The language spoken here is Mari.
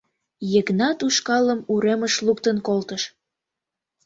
Йыгнат ушкалым уремыш луктын колтыш.